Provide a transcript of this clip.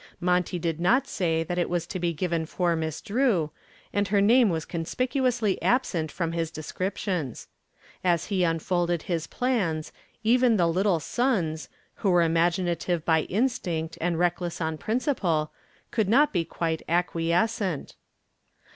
Monty did not say that it was to be given for Miss Drew and her name was conspicuously absent from his descriptions. As he unfolded his plans even the "Little Sons," who were imaginative by instinct and reckless on principle, could not be quite acquiescent.